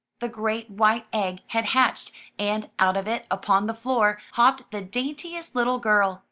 The great white egg had hatched and out of it, upon the floor, hopped the daintiest little girl.